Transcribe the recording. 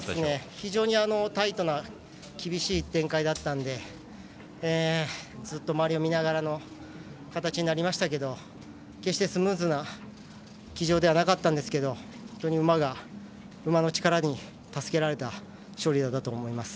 非常にタイトな厳しい展開だったのでずっと周りを見ながらの形になりましたけど決してスムーズな騎乗ではなかったんですけど本当に馬が、馬の力に助けられた勝利だったと思います。